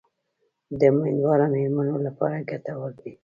د امیندواره میرمنو لپاره ګټور دي.